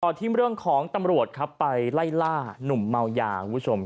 ที่เรื่องของตำรวจครับไปไล่ล่านุ่มเมายาคุณผู้ชม